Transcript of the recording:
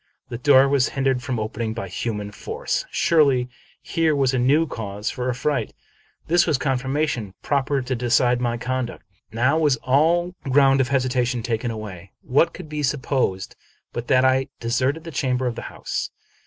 The door was hindered from opening by human force. Surely, here was a new cause for affright. This was confirmation proper to decide my conduct. Now was all ground of hesi tation taken away. What could be supposed but that I de serted the chamber and the house